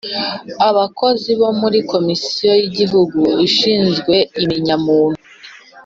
Abakozi bo muri Komisiyo y Igihugu ishinzwe imenya muntu